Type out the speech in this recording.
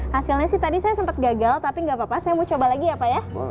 hasilnya sih tadi saya sempat gagal tapi nggak apa apa saya mau coba lagi ya pak ya